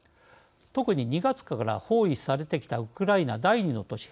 特に２月から包囲されてきたウクライナ第２の都市